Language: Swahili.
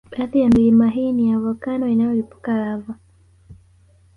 Baadhi ya milima hii ni ya volkano inayolipuka lava